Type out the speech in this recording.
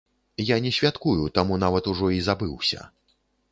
Я не святкую, таму нават ужо і забыўся.